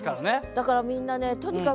だからみんなねとにかくね